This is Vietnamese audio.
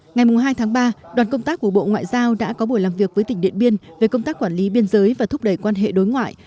ngày hai tháng ba đoàn công tác của bộ ngoại giao đã có buổi làm việc với tỉnh điện biên về công tác quản lý biên giới và thúc đẩy quan hệ đối ngoại